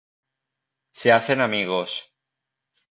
Se hacen amigos.